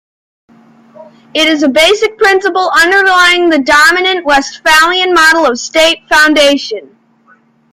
It is a basic principle underlying the dominant Westphalian model of state foundation.